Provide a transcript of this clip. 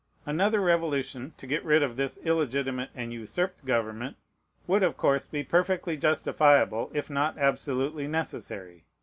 Another revolution, to get rid of this illegitimate and usurped government, would of course be perfectly justifiable, if not absolutely necessary.